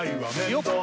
よっ！